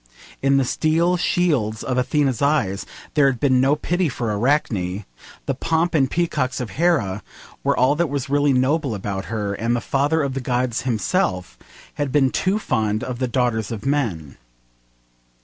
In the steel shields of Athena's eyes there had been no pity for Arachne; the pomp and peacocks of Hera were all that was really noble about her; and the Father of the Gods himself had been too fond of the daughters of men.